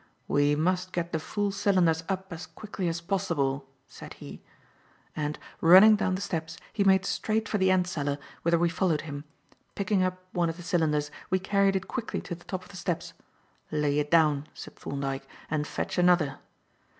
"We must get the full cylinders up as quickly as possible," said he; and, running down the steps he made straight for the end cellar, whither we followed him. Picking up one of the cylinders, we carried it quickly to the top of the steps. "Lay it down," said Thorndyke, "and fetch another."